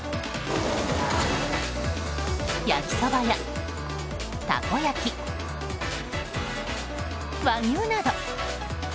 焼きそばや、たこ焼き、和牛など。